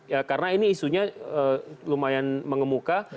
ya karena ini isunya lumayan mengemuka